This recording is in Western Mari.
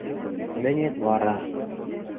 Мӹнет вара...